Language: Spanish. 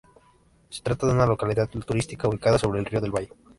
Se trata de una localidad turística ubicada sobre el río del Valle.